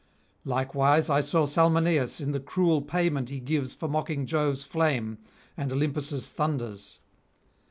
Likewise I saw Salmoneus in the cruel payment he gives for mocking Jove's flame and Olympus' thunders.